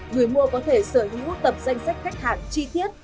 người mua có thể sở hữu tập danh sách khách hàng chi tiết